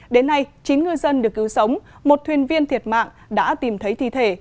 đến nay chín ngư dân được cứu sống một thuyền viên thiệt mạng đã tìm thấy thi thể